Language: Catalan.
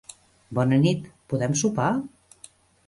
Bona nit. Podem sopar?